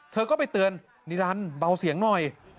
เธอก็ไปเตือนนิรันดิ์เบาเสียงหน่อย